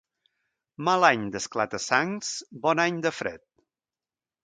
Mal any d'esclata-sangs, bon any de fred.